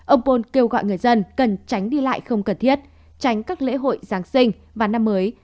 ông pol kêu gọi người dân cần tránh đi lại không cần thiết tránh các lễ hội giáng sinh và năm mới